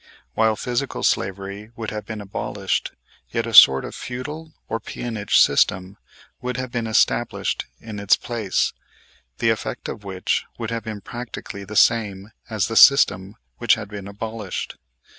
While physical slavery would have been abolished, yet a sort of feudal or peonage system would have been established in its place, the effect of which would have been practically the same as the system which had been abolished.